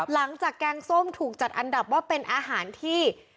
แกงส้มถูกจัดอันดับว่าเป็นอาหารที่